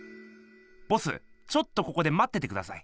ボスちょっとここでまっててください。